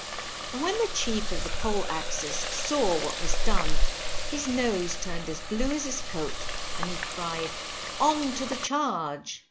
And when the Chief of the Poleaxes saw what was done, his nose turned as blue as his coat, and he cried, On to the charge!